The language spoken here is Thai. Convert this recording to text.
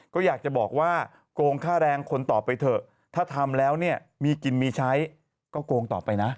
ก็อยากจะบอกว่าโกงค่าแรงคนต่อไปเถอะถ้าทำแล้วเนี่ยมีกินมีใช้ก็โกงต่อไปนะ